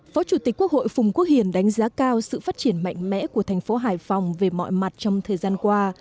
phó chủ tịch quốc hội phùng quốc hiền đánh giá cao sự phát triển mạnh mẽ của thành phố hải phòng về mọi mặt trong thời gian qua